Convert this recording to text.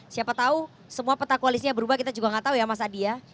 siapa tahu semua peta koalisnya berubah kita juga nggak tahu ya mas adi ya